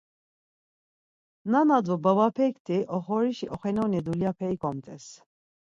Nana do babapekti oxorişi oxenuni dulyape ikomt̆es.